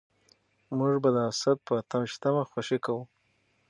موږ به د اسد په اته ويشتمه خوښي کوو.